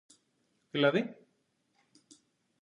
Δηλαδή;